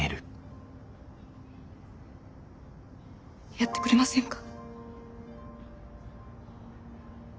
やってくれませんか。